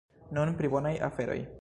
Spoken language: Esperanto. Nun pri bonaj aferoj.